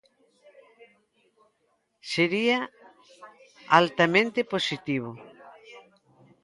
Sería altamente positivo.